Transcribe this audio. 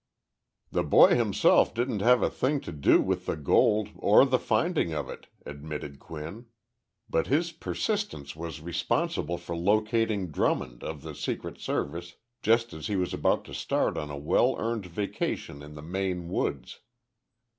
"The boy himself didn't have a thing to do with the gold or the finding of it," admitted Quinn, "but his persistence was responsible for locating Drummond, of the Secret Service, just as he was about to start on a well earned vacation in the Maine woods.